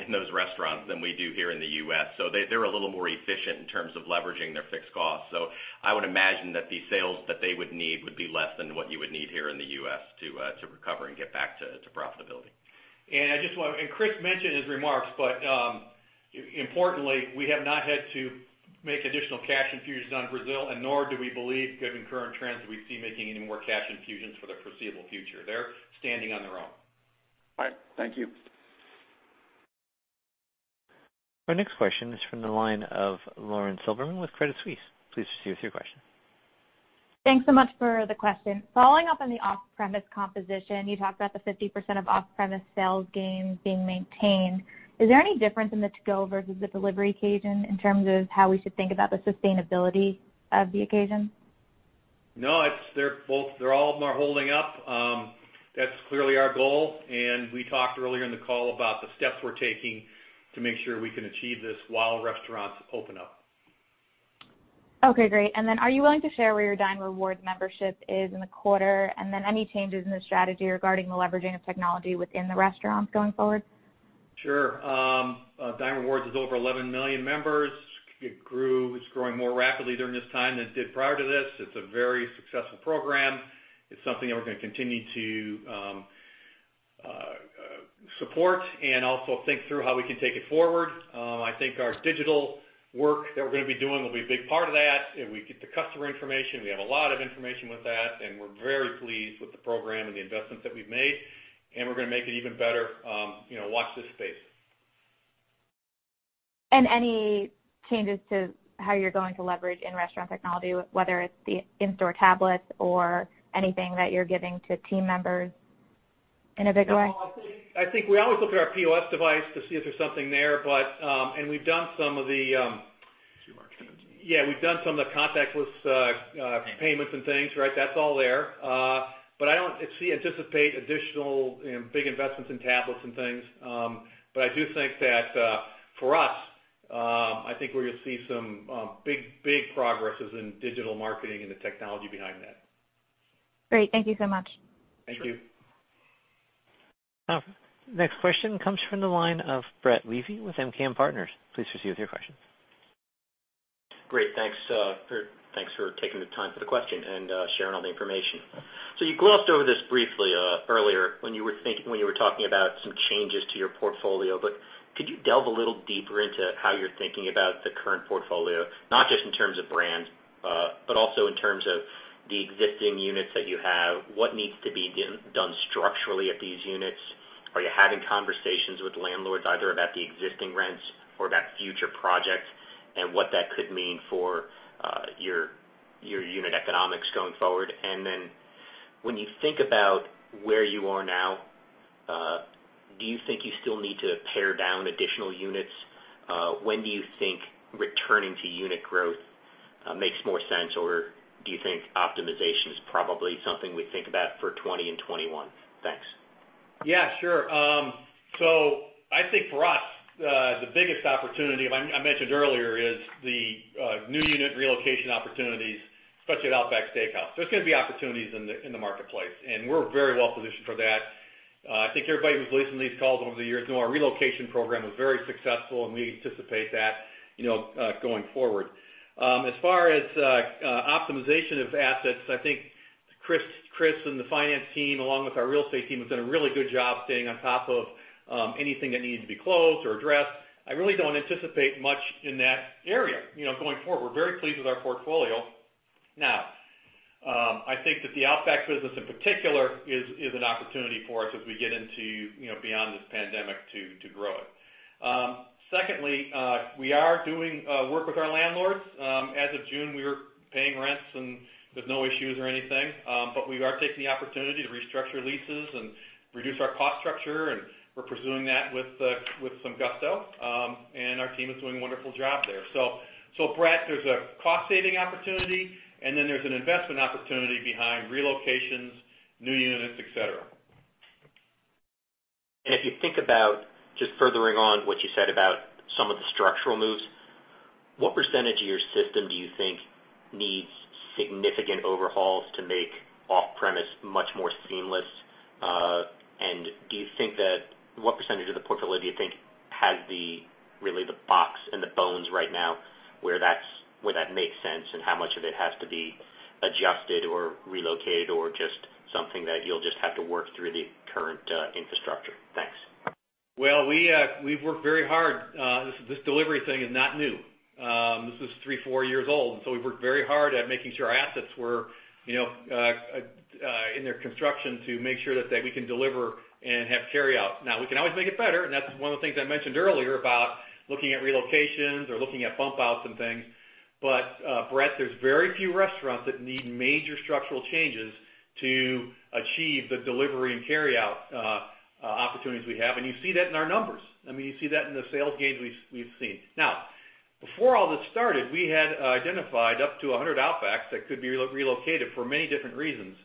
in those restaurants than we do here in the U.S., so they're a little more efficient in terms of leveraging their fixed costs. I would imagine that the sales that they would need would be less than what you would need here in the U.S. to recover and get back to profitability. Chris mentioned in his remarks, but importantly, we have not had to make additional cash infusions down in Brazil, and nor do we believe, given current trends that we see, making any more cash infusions for the foreseeable future. They're standing on their own. All right. Thank you. Our next question is from the line of Lauren Silberman with Credit Suisse. Please proceed with your question. Thanks so much for the question. Following up on the off-premise composition, you talked about the 50% of off-premise sales gains being maintained. Is there any difference in the to-go versus the delivery occasion in terms of how we should think about the sustainability of the occasion? No. All of them are holding up. That's clearly our goal. We talked earlier in the call about the steps we're taking to make sure we can achieve this while restaurants open up. Okay, great. Are you willing to share where your Dine Rewards membership is in the quarter? Any changes in the strategy regarding the leveraging of technology within the restaurants going forward? Sure. Dine Rewards is over 11 million members. It's growing more rapidly during this time than it did prior to this. It's a very successful program. It's something that we're going to continue to support and also think through how we can take it forward. I think our digital work that we're going to be doing will be a big part of that. If we get the customer information, we have a lot of information with that, and we're very pleased with the program and the investments that we've made, and we're going to make it even better. Watch this space. Any changes to how you're going to leverage in-restaurant technology, whether it's the in-store tablets or anything that you're giving to team members in a big way? I think we always look at our POS device to see if there's something there. We've done some of the contactless payments and things, right. That's all there. I don't anticipate additional big investments in tablets and things. I do think that, for us, I think we're going to see some big progresses in digital marketing and the technology behind that. Great. Thank you so much. Thank you. Next question comes from the line of Brett Levy with MKM Partners. Please proceed with your questions. Great. Thanks for taking the time for the question and sharing all the information. You glossed over this briefly earlier when you were talking about some changes to your portfolio. Could you delve a little deeper into how you're thinking about the current portfolio, not just in terms of brands, but also in terms of the existing units that you have, what needs to be done structurally at these units? Are you having conversations with landlords either about the existing rents or about future projects, and what that could mean for your unit economics going forward? When you think about where you are now, do you think you still need to pare down additional units? When do you think returning to unit growth makes more sense, or do you think optimization is probably something we think about for 2020 and 2021? Thanks. Sure. I think for us, the biggest opportunity, I mentioned earlier, is the new unit relocation opportunities, especially at Outback Steakhouse. There's going to be opportunities in the marketplace, and we're very well positioned for that. I think everybody who's listening to these calls over the years know our relocation program was very successful, and we anticipate that going forward. As far as optimization of assets, I think Chris and the finance team, along with our real estate team, have done a really good job staying on top of anything that needs to be closed or addressed. I really don't anticipate much in that area going forward. We're very pleased with our portfolio. I think that the Outback business in particular is an opportunity for us as we get into beyond this pandemic to grow it. Secondly, we are doing work with our landlords. As of June, we were paying rents and with no issues or anything. We are taking the opportunity to restructure leases and reduce our cost structure, and we're pursuing that with some gusto. Our team is doing a wonderful job there. Brett, there's a cost-saving opportunity, and then there's an investment opportunity behind relocations, new units, et cetera. If you think about just furthering on what you said about some of the structural moves, what percentage of your system do you think needs significant overhauls to make off-premise much more seamless? What percentage of the portfolio do you think has really the box and the bones right now where that makes sense, and how much of it has to be adjusted or relocated or just something that you'll just have to work through the current infrastructure? Thanks. Well, we've worked very hard. This delivery thing is not new. This is three, four years old. We've worked very hard at making sure our assets were in their construction to make sure that we can deliver and have carryout. Now, we can always make it better, and that's one of the things I mentioned earlier about looking at relocations or looking at bump outs and things. Brett, there's very few restaurants that need major structural changes to achieve the delivery and carryout opportunities we have. You see that in our numbers. You see that in the sales gains we've seen. Now, before all this started, we had identified up to 100 Outback that could be relocated for many different reasons.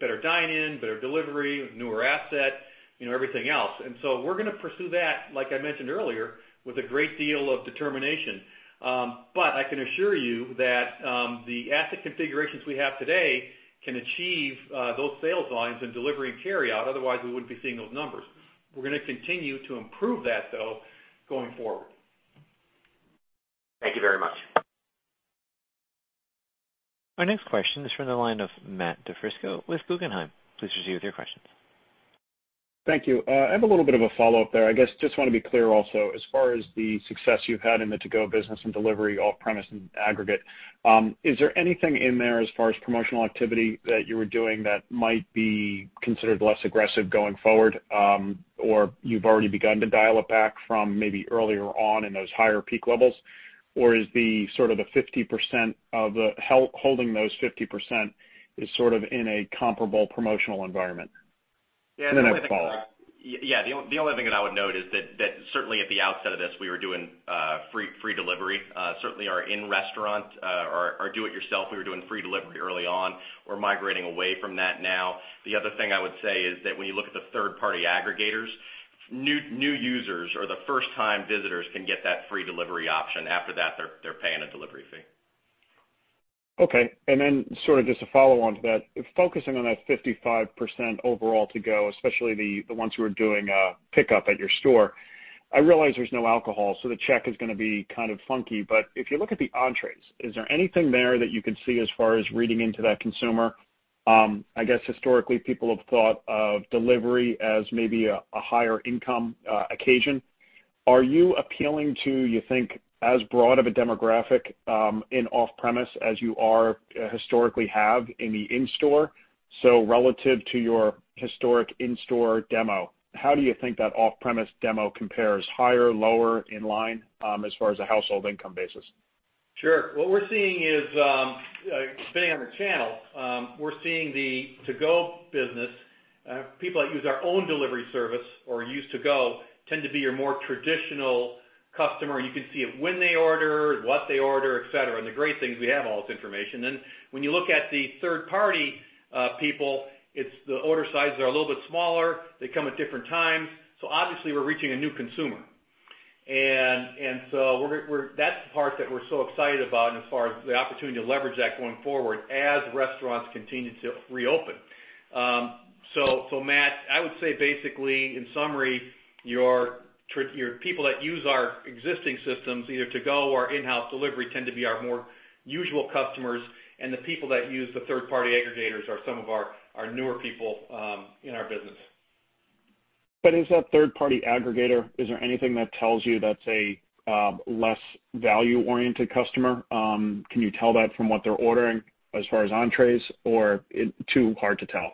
Better dine-in, better delivery, newer asset, everything else. We're going to pursue that, like I mentioned earlier, with a great deal of determination. I can assure you that the asset configurations we have today can achieve those sales volumes in delivery and carryout. Otherwise, we wouldn't be seeing those numbers. We're going to continue to improve that, though, going forward. Thank you very much. Our next question is from the line of Matt DiFrisco with Guggenheim. Please proceed with your questions. Thank you. I have a little bit of a follow-up there. I guess just want to be clear also, as far as the success you've had in the to-go business and delivery off-premise in aggregate, is there anything in there as far as promotional activity that you were doing that might be considered less aggressive going forward? Or you've already begun to dial it back from maybe earlier on in those higher peak levels? Or is the holding those 50% is sort of in a comparable promotional environment? I have a follow-up. Yeah. The only thing that I would note is that certainly at the outset of this, we were doing free delivery. Certainly our in-restaurant, or do it yourself, we were doing free delivery early on. We're migrating away from that now. The other thing I would say is that when you look at the third-party aggregators, new users or the first-time visitors can get that free delivery option. After that, they're paying a delivery fee. Okay. Then sort of just to follow on to that, focusing on that 55% overall to go, especially the ones who are doing pickup at your store. I realize there's no alcohol, so the check is going to be kind of funky. If you look at the entrees, is there anything there that you can see as far as reading into that consumer? I guess historically, people have thought of delivery as maybe a higher income occasion. Are you appealing to, you think, as broad of a demographic in off-premise as you historically have in the in-store? Relative to your historic in-store demo, how do you think that off-premise demo compares higher, lower, in line, as far as a household income basis? Sure. What we're seeing is. Depending on the channel, we're seeing the to-go business, people that use our own delivery service or use to-go, tend to be your more traditional customer. You can see when they order, what they order, et cetera. The great thing is we have all this information. When you look at the third-party people, the order sizes are a little bit smaller. They come at different times. Obviously we're reaching a new consumer. That's the part that we're so excited about and as far as the opportunity to leverage that going forward as restaurants continue to reopen. Matt, I would say basically in summary, your people that use our existing systems, either to-go or in-house delivery, tend to be our more usual customers, and the people that use the third-party aggregators are some of our newer people in our business. Is that third-party aggregator, is there anything that tells you that's a less value-oriented customer? Can you tell that from what they're ordering as far as entrees, or too hard to tell?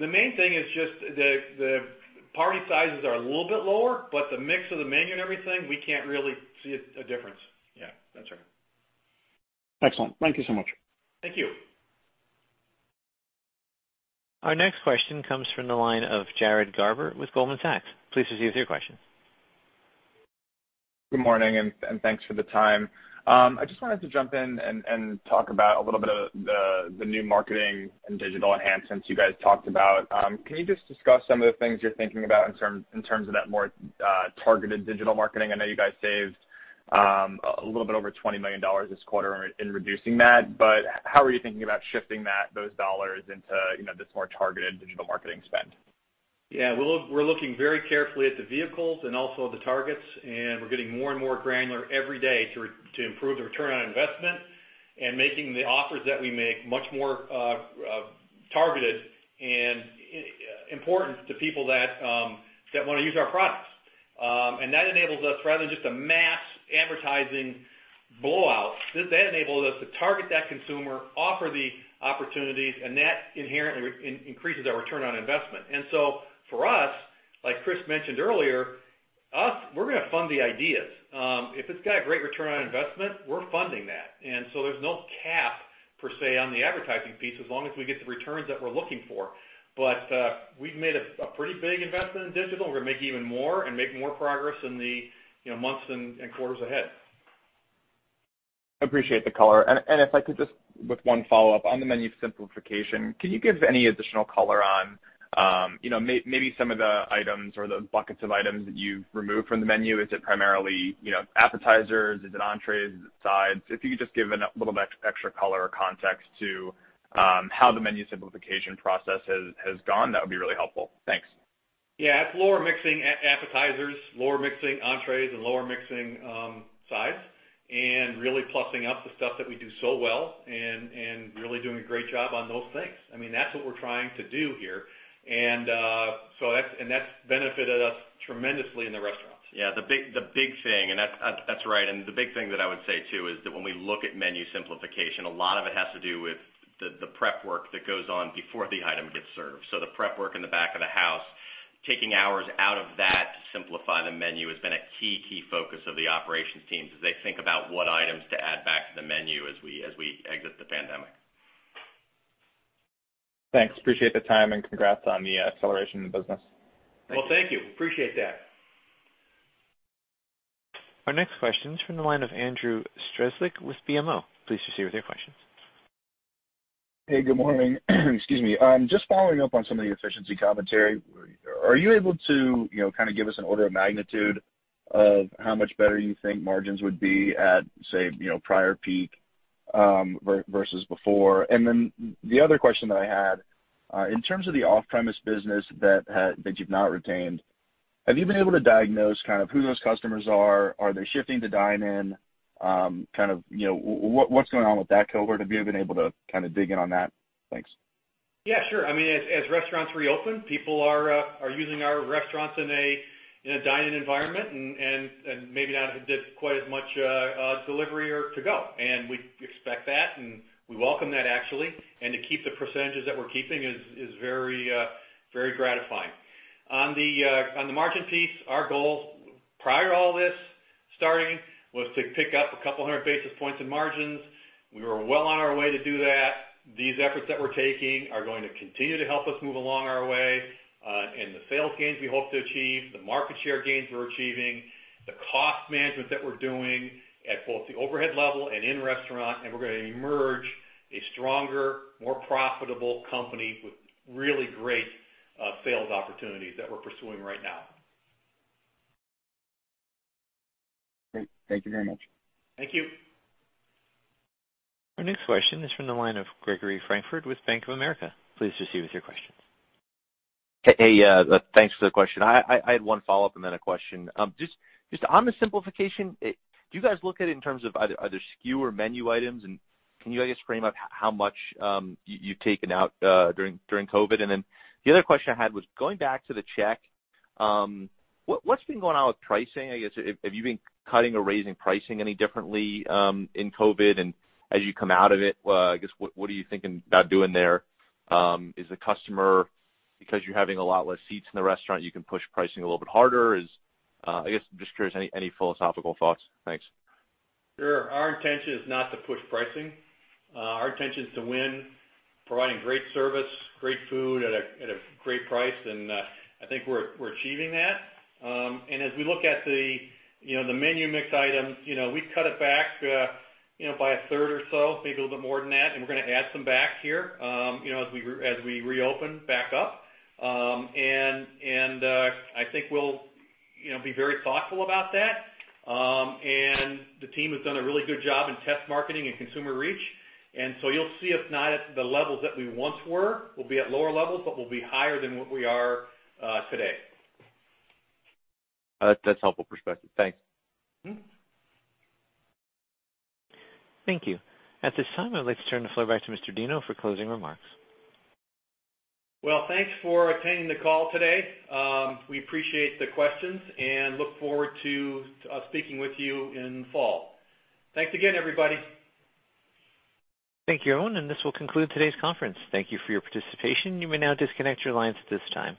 The main thing is just the party sizes are a little bit lower, but the mix of the menu and everything, we can't really see a difference. Yeah, that's right. Excellent. Thank you so much. Thank you. Our next question comes from the line of Jared Garber with Goldman Sachs. Please proceed with your question. Good morning, and thanks for the time. I just wanted to jump in and talk about a little bit of the new marketing and digital enhancements you guys talked about. Can you just discuss some of the things you're thinking about in terms of that more targeted digital marketing? I know you guys saved a little bit over $20 million this quarter in reducing that, but how are you thinking about shifting those dollars into this more targeted digital marketing spend? Yeah, we're looking very carefully at the vehicles and also the targets. We're getting more and more granular every day to improve the return on investment and making the offers that we make much more targeted and important to people that want to use our products. That enables us, rather than just a mass advertising blowout, that enables us to target that consumer, offer the opportunities, and that inherently increases our return on investment. For us, like Chris mentioned earlier, we're going to fund the ideas. If it's got a great return on investment, we're funding that. There's no cap, per se, on the advertising piece as long as we get the returns that we're looking for. We've made a pretty big investment in digital. We're going to make even more and make more progress in the months and quarters ahead. Appreciate the color. If I could just with one follow-up on the menu simplification, can you give any additional color on maybe some of the items or the buckets of items that you've removed from the menu? Is it primarily appetizers? Is it entrees? Is it sides? If you could just give a little extra color or context to how the menu simplification process has gone, that would be really helpful. Thanks. Yeah. It's lower mixing appetizers, lower mixing entrees, and lower mixing sides, and really plussing up the stuff that we do so well and really doing a great job on those things. That's what we're trying to do here. That's benefited us tremendously in the restaurants. Yeah, the big thing, and that's right. The big thing that I would say too, is that when we look at menu simplification, a lot of it has to do with the prep work that goes on before the item gets served. The prep work in the back of the house, taking hours out of that to simplify the menu has been a key focus of the operations teams as they think about what items to add back to the menu as we exit the pandemic. Thanks. Appreciate the time, and congrats on the acceleration of the business. Well, thank you. Appreciate that. Our next question is from the line of Andrew Strelzik with BMO. Please proceed with your questions. Hey, good morning. Excuse me. Just following up on some of the efficiency commentary. Are you able to give us an order of magnitude of how much better you think margins would be at, say, prior peak versus before? The other question that I had, in terms of the off-premise business that you've not retained, have you been able to diagnose who those customers are? Are they shifting to dine-in? What's going on with that cohort? Have you been able to dig in on that? Thanks. Yeah, sure. As restaurants reopen, people are using our restaurants in a dine-in environment and maybe not quite as much delivery or to go. We expect that, and we welcome that actually. To keep the percentages that we're keeping is very gratifying. On the margin piece, our goal prior to all this starting was to pick up a couple of hundred basis points in margins. We were well on our way to do that. These efforts that we're taking are going to continue to help us move along our way. The sales gains we hope to achieve, the market share gains we're achieving, the cost management that we're doing at both the overhead level and in restaurant, and we're going to emerge a stronger, more profitable company with really great sales opportunities that we're pursuing right now. Great. Thank you very much. Thank you. Our next question is from the line of Gregory Francfort with Bank of America. Please proceed with your question. Hey. Thanks for the question. I had one follow-up and then a question. Just on the simplification, do you guys look at it in terms of either SKU or menu items? Can you, I guess, frame up how much you've taken out during COVID? The other question I had was going back to the check, what's been going on with pricing, I guess? Have you been cutting or raising pricing any differently in COVID? As you come out of it, I guess, what are you thinking about doing there? Is the customer, because you're having a lot less seats in the restaurant, you can push pricing a little bit harder? I guess I'm just curious, any philosophical thoughts? Thanks. Sure. Our intention is not to push pricing. Our intention is to win providing great service, great food at a great price, and I think we're achieving that. As we look at the menu mix items, we've cut it back by a third or so, maybe a little bit more than that, and we're going to add some back here as we reopen back up. I think we'll be very thoughtful about that. The team has done a really good job in test marketing and consumer reach. You'll see us not at the levels that we once were. We'll be at lower levels, but we'll be higher than what we are today. That's helpful perspective. Thanks. Thank you. At this time, I'd like to turn the floor back to Mr. Deno for closing remarks. Well, thanks for attending the call today. We appreciate the questions and look forward to speaking with you in fall. Thanks again, everybody. Thank you, everyone. This will conclude today's conference. Thank you for your participation. You may now disconnect your lines at this time.